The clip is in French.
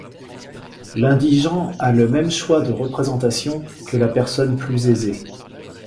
L'indigent a le même choix de représentation que la personne plus aisée.